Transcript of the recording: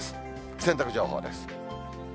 洗濯情報です。